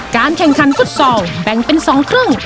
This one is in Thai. การแข่งขันฟุตซอลแบ่งเป็น๒ครึ่ง